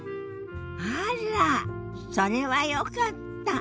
あらっそれはよかった。